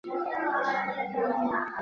硫唑嘌呤被视为是致癌物的一种。